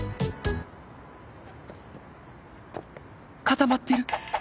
固まっている！